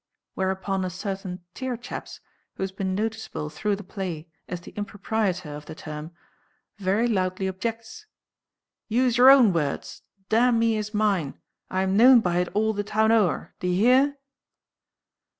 whereupon a certain Tearchaps who has been noticeable through the play as the improprietor of the term, very loudly objects "Use your own words, damn me is mine; I am known by it all the town o'er. D'ye hear?"